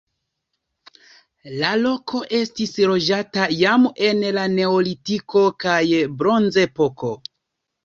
La loko estis loĝata jam en la neolitiko kaj bronzepoko.